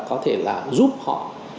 có thể là giúp họ